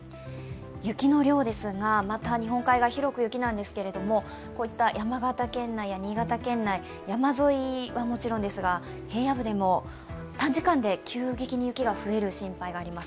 雪の量ですが、また日本海側、広く雪なんですが山形県内や新潟県内、山沿いはもちろんですけれども、平野部でも短時間で急激に雪が増える心配があります。